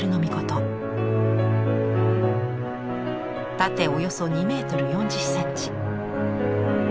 縦およそ２メートル４０センチ。